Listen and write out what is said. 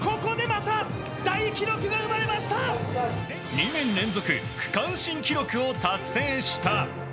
２年連続区間新記録を達成した。